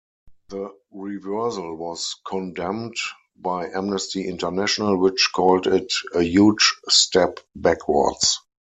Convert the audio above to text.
The reversal was condemned by Amnesty International, which called it "a huge step backwards".